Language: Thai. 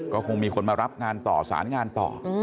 ก็คงมีคนมารับงานต่อสารงานต่อ